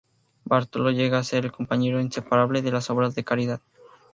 Bartolo llega a ser el compañero inseparable de las obras de caridad.